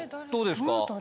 どうですか？